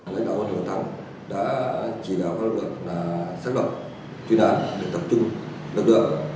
lãnh đạo quân hồ thắng đã chỉ đạo các lực lượng xét lập truy đoán để tập trung lực lượng